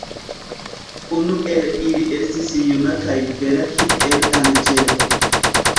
Unu el ili estis juna kaj bela kiel anĝelo.